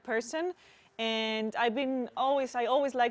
dan saya selalu ingin membantu orang dengan apa yang saya bisa